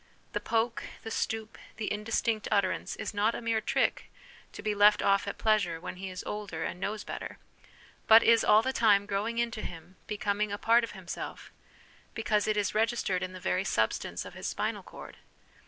The poke, the stoop, the indistinct utterance, is not a mere trick to be left off at pleasure ' when he is older and knows better/ but is all the time growing into him becoming a part of himself, because it is registered in the very substance of his spinal cord.